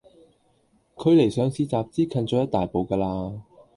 距離上市集資近咗一大步㗎啦